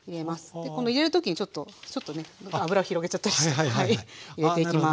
この入れる時にちょっとちょっとね油を広げちゃったりして入れていきます。